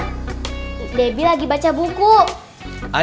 debby lagi baca buku nih makanya makanya makan dulu ya pak tunggu sebentar